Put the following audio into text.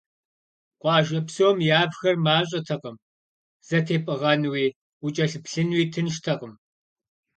Къуажэ псом явхэр мащӏэтэкъым, зэтепӏыгъэнуи, укӏэлъыплъынуи тынштэкъым.